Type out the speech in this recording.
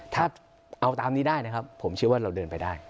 ถ้าเอาตามนี้ได้นะครับผมเชื่อว่าเราเดินไปได้